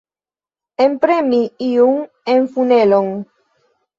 Enpremi iun en funelon.